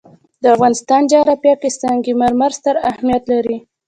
د افغانستان جغرافیه کې سنگ مرمر ستر اهمیت لري.